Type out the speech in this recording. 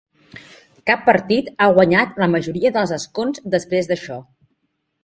Cap partit ha guanyat la majoria dels escons després d'això.